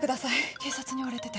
警察に追われてて。